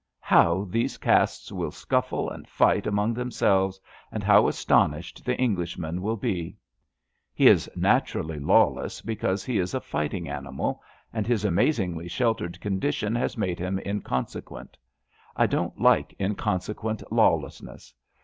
How these 210 ABAFT THE FUNNEL castes will scuffle and fight among themselves, and how astonished the Englishman will be I He is naturally lawless because he is a fighting animal; and his amazingly sheltered condition has made him inconsequent, I don't like inconse quent lawlessness.